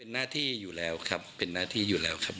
หน้าที่อยู่แล้วครับเป็นหน้าที่อยู่แล้วครับ